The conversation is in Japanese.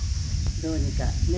どうにかねえ